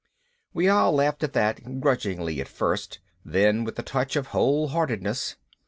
We all laughed at that, grudgingly at first, then with a touch of wholeheartedness.